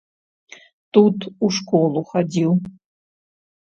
Тут у школу хадзіў.